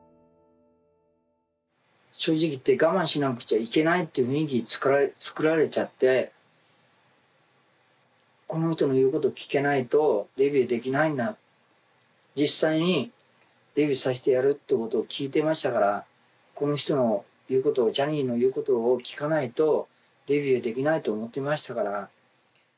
正直言って、我慢しなくちゃいけないっていう雰囲気が作られちゃってこの人の言うことを聞けないとデビューできないんだ、実際にデビューさせてやるっていうことを聞いてましたから、この人の言うことジャニーの言うことを聞かないとデビューできないと思ってましたから。